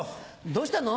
どうしたの？